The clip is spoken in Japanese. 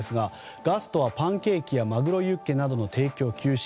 ガストはパンケーキやまぐろユッケなどの提供を休止。